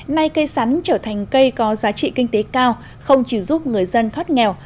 nay cây sắn trở thành cây có giá trị kinh tế cao không chỉ giúp người dân thoát nghèo